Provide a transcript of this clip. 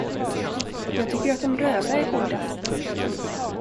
Jag tycker att dom röda är godast!